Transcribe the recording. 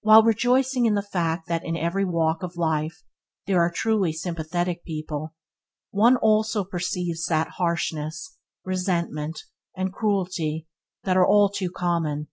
While rejoicing in the fact that in every walk in life there are truly sympathetic people, one also perceives that harshness, resentment, and cruelty are all too common.